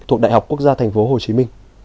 thuộc đại học quốc gia tp hcm